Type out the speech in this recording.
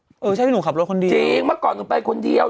เมื่อก่อนหนุ่มไปคนเดียว